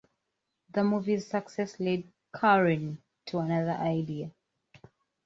The movie's success led Kurien to another idea.